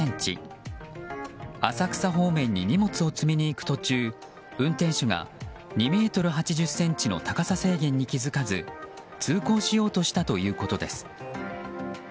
浅草方面に荷物を積みに行く途中運転手が２ｍ８０ｃｍの高さ制限に気づかず通行しようとしたということです。